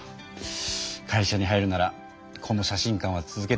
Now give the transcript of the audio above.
会社に入るならこの写真館は続けていけないしね。